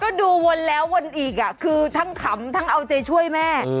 ก็ดูวนแล้ววนอีกคือทั้งขำทั้งเอาใจช่วยแม่